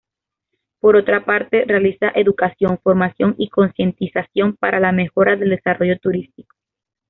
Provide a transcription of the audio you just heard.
Por otra parte, realiza educación, formación y concientización para la mejora del desarrollo turístico.